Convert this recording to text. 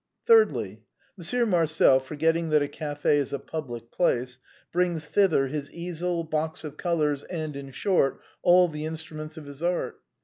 " Thirdly. Monsieur Marcel, forgetting that a café is a public place, brings thither his easel, box of colors, and, in short, all the instruments of his art.